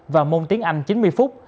và môn tiếng anh chín mươi phút